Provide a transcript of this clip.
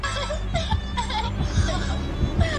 موږ باید خپلو ماشومانو ته ټیکنالوژي ور وښیو.